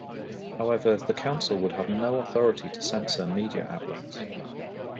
However, the council would have no authority to censor media outlets.